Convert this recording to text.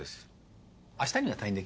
明日には退院できます。